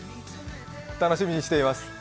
楽しみにしています。